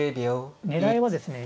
狙いはですね